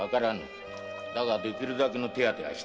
だができるだけの手当てはした〕